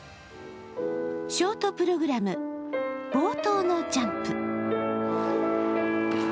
ショートプログラム冒頭のジャンプ。